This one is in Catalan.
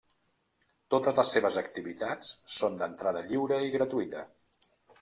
Totes les seves activitats són d'entrada lliure i gratuïta.